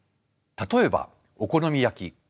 例えばお好み焼き。